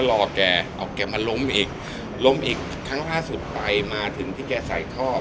รอแกเอาแกมาล้มอีกล้มอีกครั้งล่าสุดไปมาถึงที่แกใส่ทอด